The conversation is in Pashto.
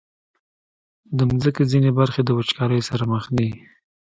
د مځکې ځینې برخې د وچکالۍ سره مخ دي.